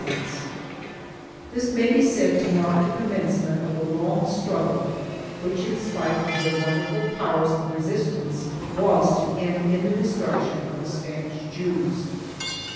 96 THE JEWS AND THE CONVERSOS [BOOK I This may be said to mark the commencement of the long struggle which, in spite of their wonderful powers of resistance,, was to end in the destruction of the Spanish Jews.